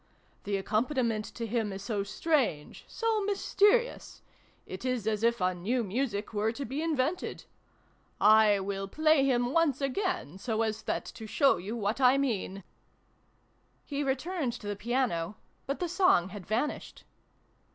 The accompaniment to him is so strange, so mysterious : it is as if a new music were to be invented ! I will play him once again so as that to show you what I mean." He returned to the piano, but the song had vanished.